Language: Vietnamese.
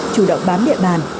chủ động bám địa bàn